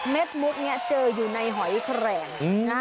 มุดนี้เจออยู่ในหอยแครง